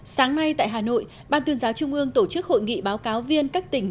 sáng nay tại hà nội ban tuyên giáo trung ương tổ chức hội nghị báo cáo viên các tỉnh